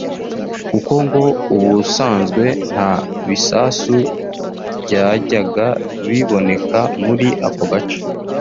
kuko ngo ubusanzwe nta bisasu byajyaga biboneka muri ako gace